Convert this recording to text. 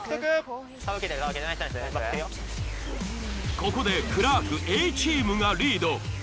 ここでクラークＡチームがリード。